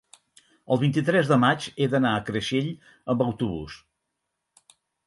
el vint-i-tres de maig he d'anar a Creixell amb autobús.